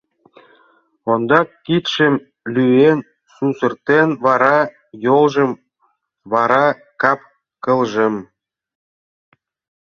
Ондак кидшым лӱен сусыртен, вара — йолжым, вара — кап-кылжым.